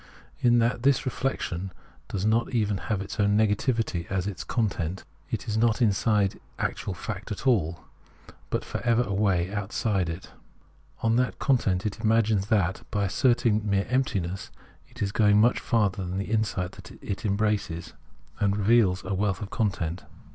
In that this reflec tion does not even have its own negativity as its content, it is not inside actual fact at all, but for ever away outside it. On that account it imagines that by as serting mere emptiness it is going much farther than insight that embraces and reveals a wealth of content.